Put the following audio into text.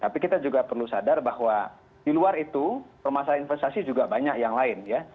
tapi kita juga perlu sadar bahwa di luar itu permasalahan investasi juga banyak yang lain ya